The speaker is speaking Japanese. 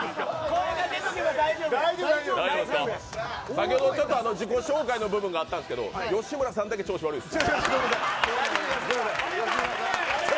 先ほどちょっと自己紹介の部分があったんですけど吉村さんだけ調子悪いです。